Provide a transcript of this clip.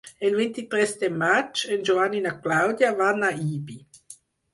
El vint-i-tres de maig en Joan i na Clàudia van a Ibi.